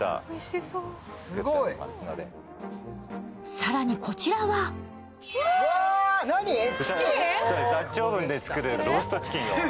更にこちらはダッチオーブンで作るローストチキンを。